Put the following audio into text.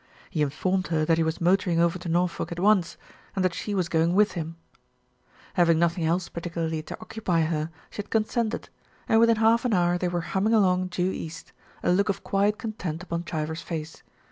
He informed her that he was motoring over to Norfolk at once, and that she was going with him. THE UNMASKING OF SMITH 319 Having nothing else particularly to occupy her, she had consented, and within half an hour they were hum ming along due east, a look of quiet content upon Chivers' face.